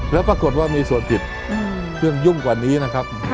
แล้วปรากฏว่ามีส่วนติดเครื่องยุ่งกว่านี้นะครับ